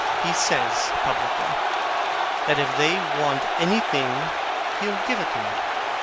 He says, publicly, that if they want anything he'll give it 'em.